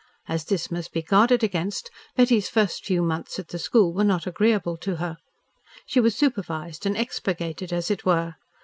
As this must be guarded against, Betty's first few months at the school were not agreeable to her. She was supervised and expurgated, as it were.